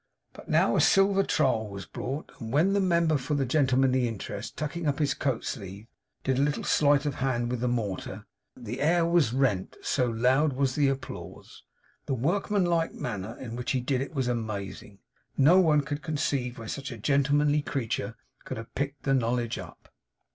But now a silver trowel was brought; and when the member for the Gentlemanly Interest, tucking up his coat sleeve, did a little sleight of hand with the mortar, the air was rent, so loud was the applause. The workman like manner in which he did it was amazing. No one could conceive where such a gentlemanly creature could have picked the knowledge up.